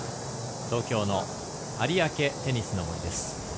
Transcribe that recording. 東京の有明テニスの森です。